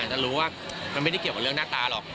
จะรู้ว่ามันไม่ได้เกี่ยวกับเรื่องหน้าตาหรอก